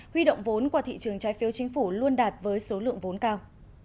huy động vốn qua thị trường trái phiếu chính phủ luôn đạt với số lượng vốn cao